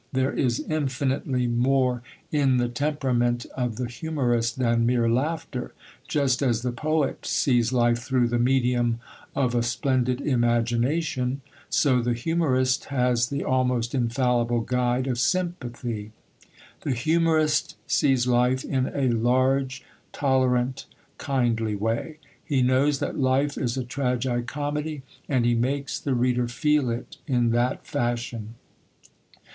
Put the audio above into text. There is infinitely more in the temperament of the humorist than mere laughter. Just as the poet sees life through the medium of a splendid imagination, so the humorist has the almost infallible guide of sympathy. The humorist sees life in a large, tolerant, kindly way; he knows that life is a tragi comedy, and he makes the reader feel it in that fashion.